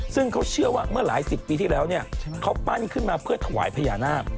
ซึ่งเขาเชื่อว่าเมื่อหลายสิบปีที่แล้วเนี่ยเขาปั้นขึ้นมาเพื่อถวายพญานาค